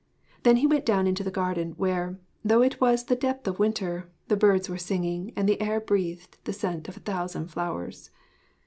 Then he went down into the garden, where though it was the depth of winter the birds were singing and the air breathed the scent of a thousand flowers.